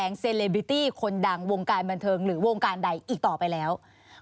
ร้องนักแสดงเซลบิตี้คนดังวงการบันเทิงหรือวงการใดอีกต่อไปแล้ว